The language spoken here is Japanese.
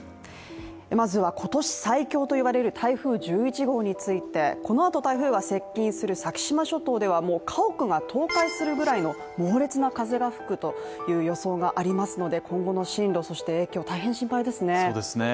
まずは今年最強といわれる台風１１号についてこのあと台風が接近する先島諸島では家屋が倒壊するくらいの猛烈な風が吹くという予想がありますので今後の進路、影響大変心配ですね。